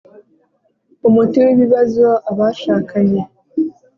Umuti w ibibazo abashakanye